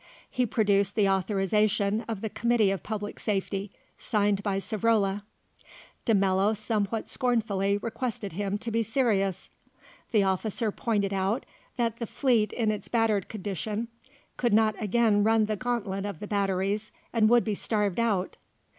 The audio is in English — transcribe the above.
He produced the authorisation of the Committee of Public Safety, signed by Savrola. De Mello somewhat scornfully requested him to be serious. The officer pointed out that the fleet in its battered condition could not again run the gauntlet of the batteries and would be starved out.